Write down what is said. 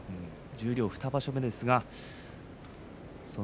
十両２場所目です。